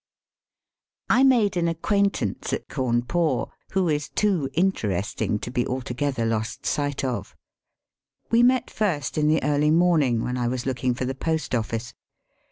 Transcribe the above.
I MADE an acquaintance at Cawnpore who is too interesting to be altogether lost sight of* We met first in the early morning when I was looking for the post office.